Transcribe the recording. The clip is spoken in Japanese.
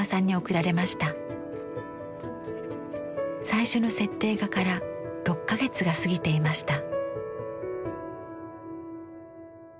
最初の設定画から６か月が過ぎていました。